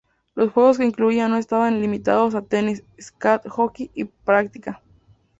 Los juegos que incluían no estaban limitados a tenis, squash, hockey y práctica.